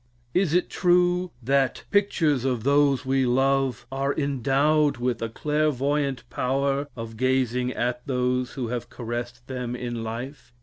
Is it true that pictures of those we love are endowed with a clairvoyant power of gazing at those who have caressed them in life?